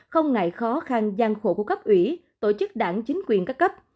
không ngại khó khăn gian khổ của cấp ủy tổ chức đảng chính quyền các cấp